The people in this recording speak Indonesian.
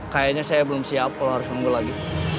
kayaknya saya belum siap kalau harus nunggu lagi